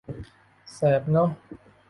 แสบเนอะ